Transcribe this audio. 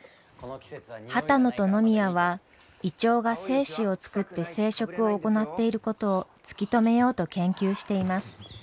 波多野と野宮はイチョウが精子を作って生殖を行っていることを突き止めようと研究しています。